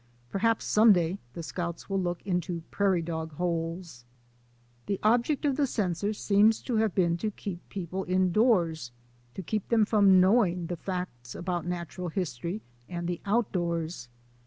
Perhaps some day the Scouts will look into prairie dog holes. The object of the censors seems to have been to keep people indoors, to keep them from knowing the facts about natural history and the outdoors.